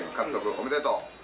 おめでとう！